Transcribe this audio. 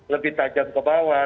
lebih tajam ke bawah